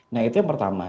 nah itu yang pertama